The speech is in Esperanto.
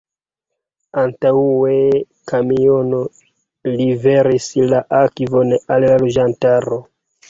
Antaŭe kamiono liveris la akvon al la loĝantaro.